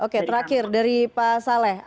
oke terakhir dari pak saleh